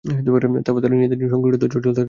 তারপর তারা নিজেদের জন্য সংকীর্ণতা ও জটিলতা ডেকে আনল।